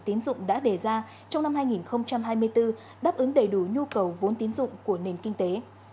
tín dụng đã đề ra trong năm hai nghìn hai mươi bốn đáp ứng đầy đủ nhu cầu vốn tín dụng của nền kinh tế